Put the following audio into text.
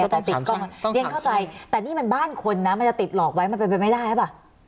ติดกล้องเรียนเข้าใจแต่นี่มันบ้านคนนะมันจะติดหลอกไว้มันเป็นไปไม่ได้หรือเปล่า